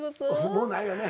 もうないよね？